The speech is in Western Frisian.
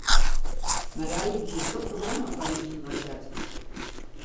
Marije hie in drok programma foar ús yninoar set.